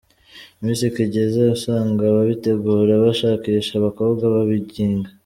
Miss kigeze, usanga ababitegura bashakisha abakobwa babinginga.